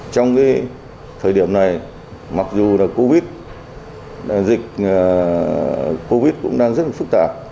trong thời điểm này mặc dù là covid dịch covid cũng đang rất phức tạp